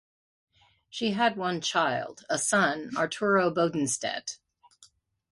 She had one child, a son, Arturo Bodenstedt.